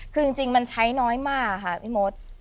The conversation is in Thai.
คือจริงมันใช้น้อยมากค่ะพี่มด